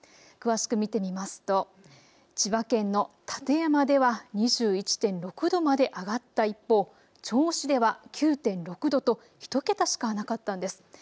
詳しく見てみますと千葉県の館山では２１．６度まで上がった一方、銚子では９．６度と１桁しかなかったんです。